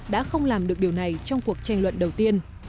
đã không làm được điều này trong cuộc tranh luận đầu tiên